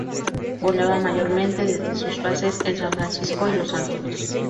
Volaba mayormente desde sus bases en San Francisco y Los Ángeles.